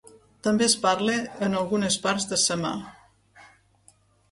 També es parla en algunes parts de Samar.